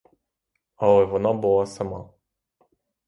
Але вона була сама.